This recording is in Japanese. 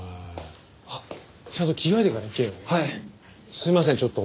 すみませんちょっと。